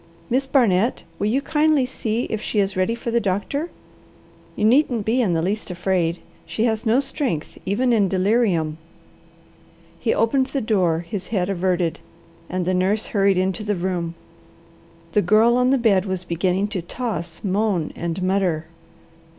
Miss Barnet, will you kindly see if she is ready for the doctor? You needn't be in the least afraid. She has no strength, even in delirium." He opened the door, his head averted, and the nurse hurried into the room. The Girl on the bed was beginning to toss, moan, and mutter.